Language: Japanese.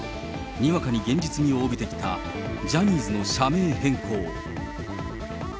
にわかに現実味を帯びてきたジャニーズの社名変更。